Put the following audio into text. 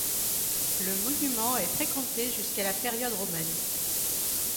Le monument est fréquenté jusqu'à la période romaine.